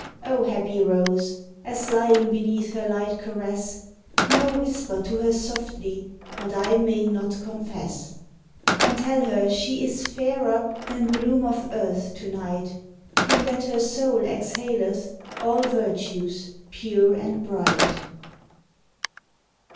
O happy rose, as lying beneath her light caress, Now whisper to her softly, what I may not confess, And tell her she is fairer than bloom of earth, to night, In that her soul exhaleth all virtues pure and bright!